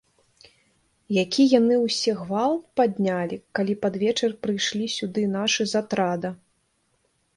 Які яны ўсе гвалт паднялі, калі пад вечар прыйшлі сюды нашы з атрада.